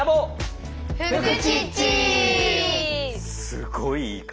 すごいいい回。